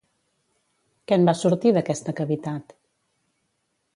Què en va sortir d'aquesta cavitat?